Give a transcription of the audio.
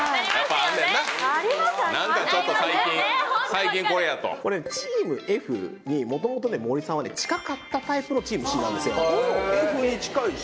最近コレやとこれチームＦにもともと森さんは近かったタイプのチームＣなんですよＦに近いＣ